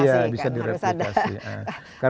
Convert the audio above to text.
iya bisa direplikasi